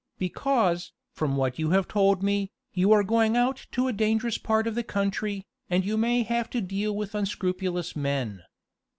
"Because, from what you have told me, you are going out to a dangerous part of the country, and you may have to deal with unscrupulous men.